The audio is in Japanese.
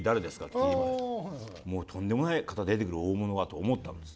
もうとんでもない方出てくる大物がと思ったんです。